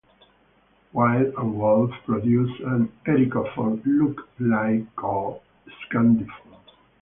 Wild and Wolf produces an Ericofon-lookalike called "Scandiphone".